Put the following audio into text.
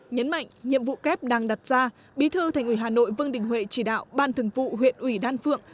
nhấn mạnh nhiệm vụ kép đang đặt ra bí thư thành ủy hà nội vương đình huệ chỉ đạo ban thường vụ huyện ủy đan phượng